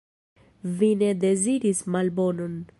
Vi ne deziris malbonon.